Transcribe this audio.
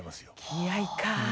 気合いか。